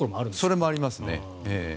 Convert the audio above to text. それもありますね。